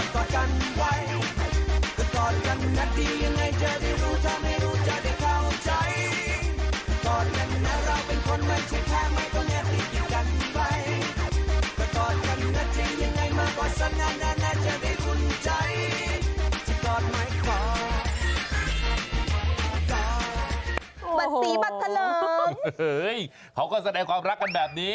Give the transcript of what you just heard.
บัตรสีบัตรทะเริงเฮ้ยเขาก็แสดงความรักกันแบบนี้